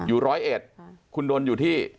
อยู่ร้อยเอ็ดคุณดนทร์อยู่ที่